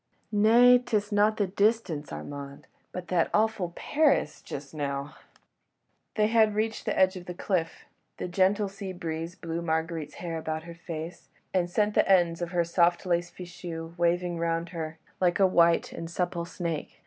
"Nay, 'tis not the distance, Armand—but that awful Paris ... just now ..." They had reached the edge of the cliff. The gentle sea breeze blew Marguerite's hair about her face, and sent the ends of her soft lace fichu waving round her, like a white and supple snake.